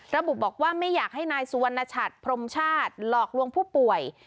ระบุบอกว่าไม่อยากให้นายสุวรรณชัดพรมชาติหลอกลวงผู้ป่วย